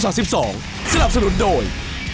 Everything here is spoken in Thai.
สนับสนุนโดย